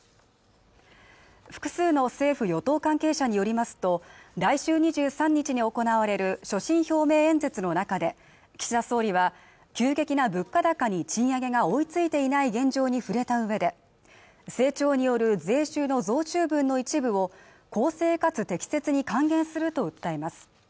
複数の政府・与党関係者によりますと来週２３日に行われる所信表明演説の中で岸田総理は急激な物価高に賃上げが追いついていない現状に触れたうえで成長による税収の増収分の一部を公正かつ適切に還元すると訴えます